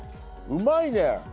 うまいね。